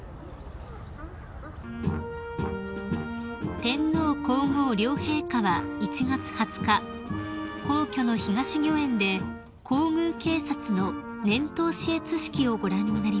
［天皇皇后両陛下は１月２０日皇居の東御苑で皇宮警察の年頭視閲式をご覧になりました］